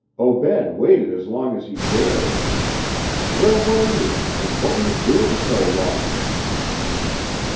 Obed waited as long as he dared. Where were you, and what were you doing so long?"